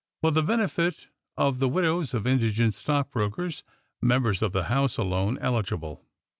FOR THE BENEFIT OF THE WIDOWS OF INDIGENT STOCKBROKERS {Members of the Hoiise alone eligible).